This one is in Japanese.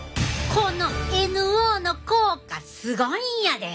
このＮＯの効果すごいんやで。